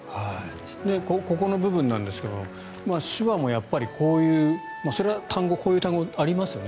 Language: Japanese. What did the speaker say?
ここの部分ですが手話もこういうそれはこういう単語ありますよね